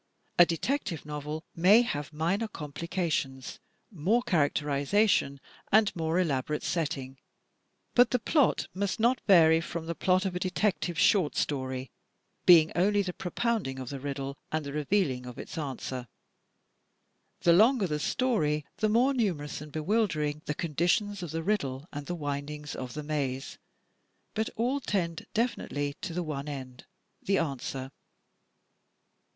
A detective novel may have minor complications, more characterization and more elaborate setting; but the plot must not vary from the plot of a detective short story, being only the propound ing of the riddle and the revealing of its answer. The longer the story the more numerous and bewildering the conditions of the riddle and the windings of the maze, but all tend definitely to the one end, — the answer.